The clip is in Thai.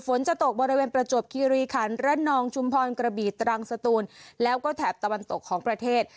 ฝนจะตกบริเวณประจวบคีรีขันระนองชุมพรกระบีตรังสตูนแล้วก็แถบตะวันตกของประเทศ